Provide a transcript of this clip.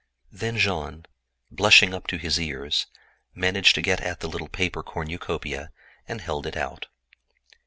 Then Jean, blushing up to his ears, managed to get at the little paper cornucopia, and held it out.